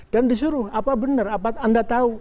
dan disuruh apa benar apa anda tahu